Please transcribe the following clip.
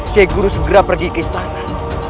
si guru segera pergi ke istana